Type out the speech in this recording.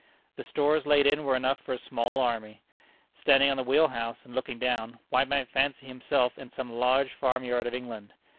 The stores laid in were enough for a small army. Standing on the wheel house, and looking down, one might fancy himself in some large farm yard of England.